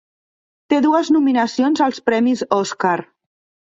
Té dues nominacions als Premis Oscar.